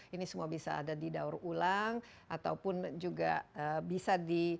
ini semua bisa ada didaur ulang ataupun juga biasa